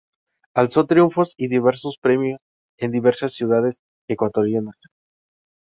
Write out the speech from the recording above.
Alzó triunfos y diversos premios en diversas ciudades ecuatorianas.